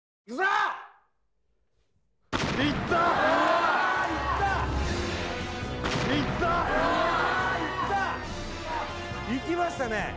いきましたね